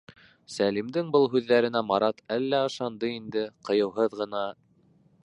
Сәлимдең был һүҙҙәренә Марат әллә ышанды инде, ҡыйыуһыҙ ғына: